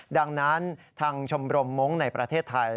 ดังนั้นทางชมรมมงค์ในประเทศไทย